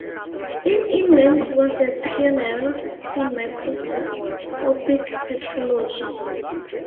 In England he was a pioneer in microscopic petrology.